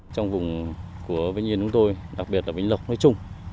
trong vùng của vinh yên của tôi đặc biệt là vinh lộc nói chung